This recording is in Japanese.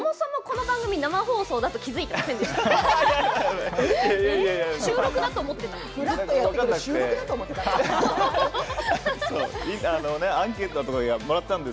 そもそもこの番組生放送だと気付いてないんです。